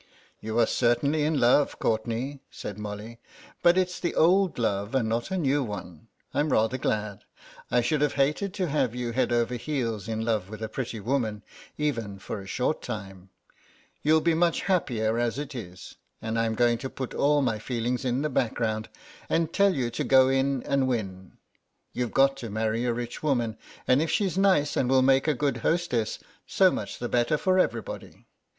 "You are certainly in love, Courtenay," said Molly, "but it's the old love and not a new one. I'm rather glad. I should have hated to have you head over heels in love with a pretty woman, even for a short time. You'll be much happier as it is. And I'm going to put all my feelings in the background, and tell you to go in and win. You've got to marry a rich woman, and if she's nice and will make a good hostess, so much the better for everybody.